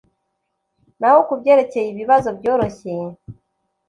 naho ku byerekeye ibibazo byoroshye